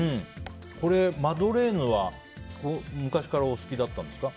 マドレーヌは昔からお好きだったんですか？